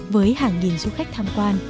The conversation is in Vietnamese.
với hàng nghìn du khách tham quan